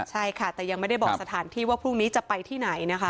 ใช่ค่ะแต่ยังไม่ได้บอกสถานที่ว่าพรุ่งนี้จะไปที่ไหนนะคะ